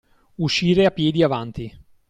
Uscire a piedi avanti.